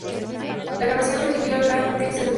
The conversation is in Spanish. La grabación recibió el Grand Prix du Disque.